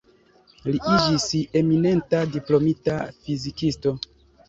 Li iĝis eminenta diplomita fizikisto.